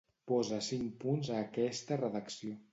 Posa cinc punts a aquesta redacció.